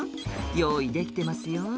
「用意できてますよ」